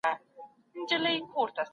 شراب په خوښۍ او غم کي کارول کیږي.